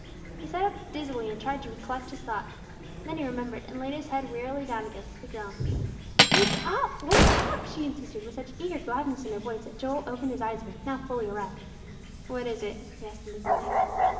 He sat up dizzily, and tried to collect his thoughts. Then he remembered, and laid his head wearily down again, with a groan. "Wake up! Wake up!" she insisted, with such eager gladness in her voice that Joel opened his eyes again, now fully aroused. "What is it?" he asked indifferently.